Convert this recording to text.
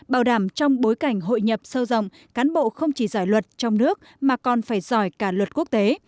bảo đảm trong bối cảnh hội nhập sâu rộng cán bộ không chỉ giải luật trong nước mà còn phải giỏi cả luật quốc tế